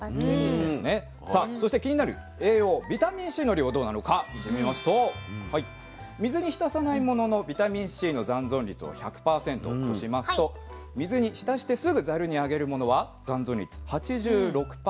さあそして気になる栄養ビタミンＣの量どうなのか見てみますと水に浸さないもののビタミンＣの残存率を１００％としますと水に浸してすぐざるにあげるものは残存率８６％。